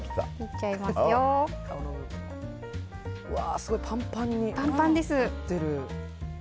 すごいパンパンに入ってる。